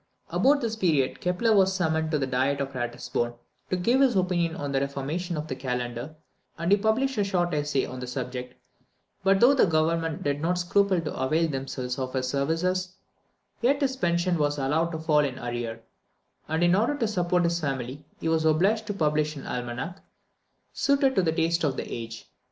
About this period, Kepler was summoned to the Diet at Ratisbon, to give his opinion on the reformation of the kalendar, and he published a short essay on the subject; but though the Government did not scruple to avail themselves of his services, yet his pension was allowed to fall in arrear, and, in order to support his family, he was obliged to publish an Almanac, suited to the taste of the age.